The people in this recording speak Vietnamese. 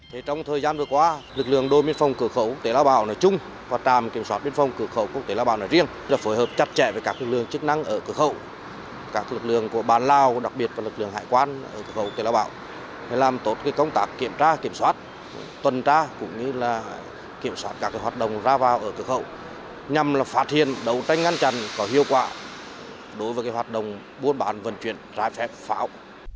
hiệu quả đối với hoạt động buôn bán vận chuyển rải phép pháo